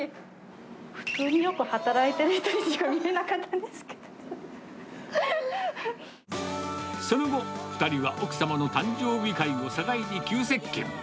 普通によく働いている人にしその後、２人は奥様の誕生日会を境に急接近。